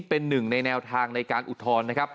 เป็นหนึ่งในแนวทางในการอุทธรณ์นะครับ